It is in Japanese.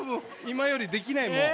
今よりできないもう。